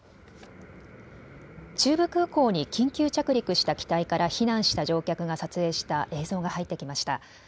中部空港に緊急着陸した機体から避難した乗客が撮影した映像が入ってきました。